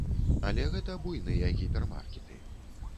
Але гэта буйныя гіпермаркеты.